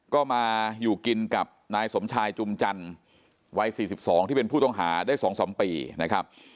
ก็มาอยู่กินกับนายสมชายจุมจันทร์วัย๔๒ที่เป็นผู้ต้องหาได้๒๓ปีนะครับ